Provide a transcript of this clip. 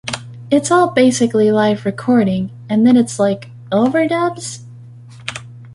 It's all basically live recording, and then it's like, 'Overdubs?